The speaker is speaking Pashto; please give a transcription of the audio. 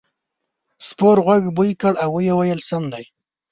سپور غوږ بوی کړ او وویل سم دی.